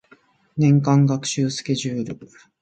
年間学習スケジュール